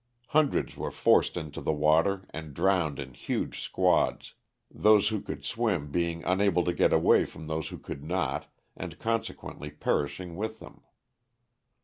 Hundreds were forced into the water and drowned in huge squads, those who could swim being unable to get away from those who could not and consequently perishing with them.